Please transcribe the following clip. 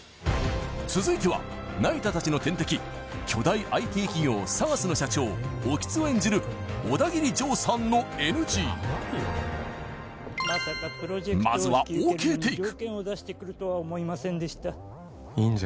続いては那由他たちの天敵巨大ＩＴ企業ＳＡＧＡＳの社長興津を演じるオダギリジョーさんのＮＧまずはＯＫテイク